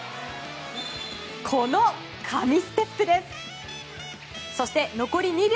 この神ステップです。